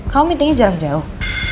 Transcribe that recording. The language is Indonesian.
kau meetingnya jarak jauh